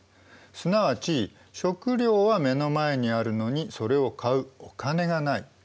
すなわち食料は目の前にあるのにそれを買うお金がない。